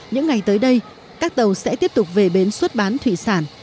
những ngày tới đây các tàu sẽ tiếp tục về bến xuất bán thủy sản